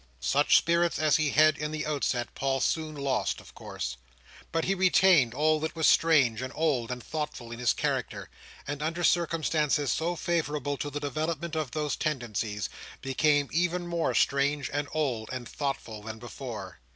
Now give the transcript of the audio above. Such spirits as he had in the outset, Paul soon lost of course. But he retained all that was strange, and old, and thoughtful in his character: and under circumstances so favourable to the development of those tendencies, became even more strange, and old, and thoughtful, than before.